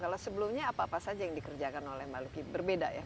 kalau sebelumnya apa apa saja yang dikerjakan oleh mbak lucky berbeda ya